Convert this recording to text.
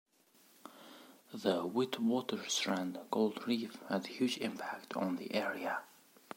The Witwatersrand Gold Reef had a huge impact on the area.